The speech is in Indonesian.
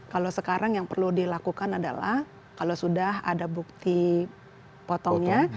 kalau sekarang yang perlu dilakukan adalah kalau sudah ada bukti potongnya